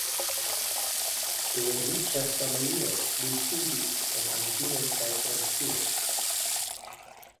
De riĉa familio, li studis en Anglio kaj Francio.